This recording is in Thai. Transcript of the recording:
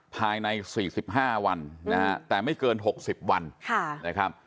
ภายใน๔๕วันนะฮะแต่ไม่เกิน๖๐วันนะครับ